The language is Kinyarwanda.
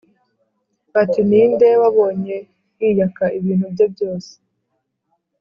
Bati: “Ni nde wabonye yiyaka ibintu bye byose